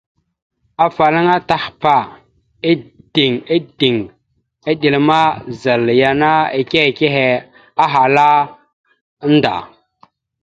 Afalaŋa Tahpa ideŋ iɗel ma, zal yana ike ekehe ahala nda.